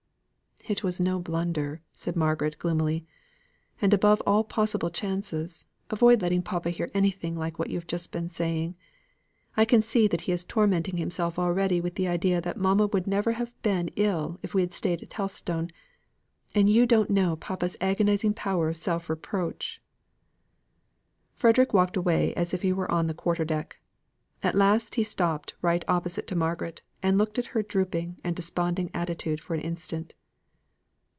"It was no blunder," said Margaret gloomily. "And above all possible chances, avoid letting papa hear anything like what you have just been saying. I can see that he is tormenting himself already with the idea that mamma would never have been ill if we had stayed at Helstone, and you don't know papa's agonising power of self reproach!" Frederick walked away as if he were on the quarter deck. At last he stopped right opposite to Margaret, and looked at her drooping and desponding attitude for an instant.